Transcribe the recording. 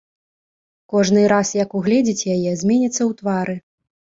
Кожны раз, як угледзіць яе, зменіцца ў твары.